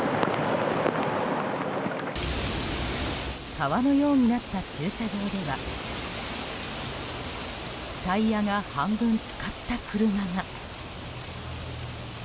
川のようになった駐車場ではタイヤが半分浸かった車が。